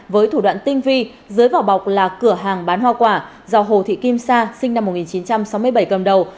với thủ đoạn tinh vi dưới vỏ bọc là cửa hàng bán hoa quả do hồ thị kim sa sinh năm một nghìn chín trăm sáu mươi bảy cầm đầu